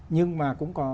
nhưng mà cũng có